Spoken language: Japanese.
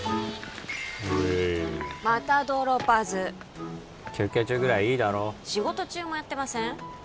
ウエーイまたドロパズ休憩中ぐらいいいだろ仕事中もやってません？